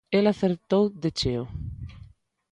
El acertou de cheo